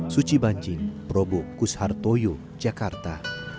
suci banjing prabowo kusartoyo jakarta